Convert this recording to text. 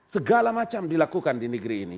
segala macam dilakukan di negeri ini